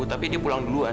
tapi dia pulang duluan